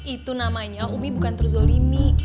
itu namanya umi bukan terzalimi